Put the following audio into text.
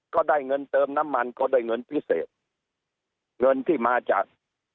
ก็ได้เงินเติมน้ำมันก็ได้เงินพิเศษเงินที่มาจาก